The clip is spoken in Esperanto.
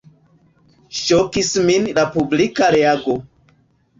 Ŝokis min la publika reago.